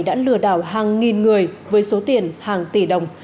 đã lừa đảo hàng nghìn người với số tiền hàng tỷ đồng